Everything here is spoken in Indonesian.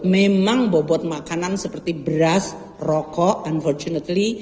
memang bobot makanan seperti beras rokok unfortunately